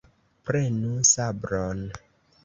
Prenu sabron!